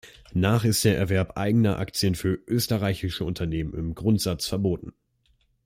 Nach ist der Erwerb eigener Aktien für österreichische Unternehmen im Grundsatz verboten.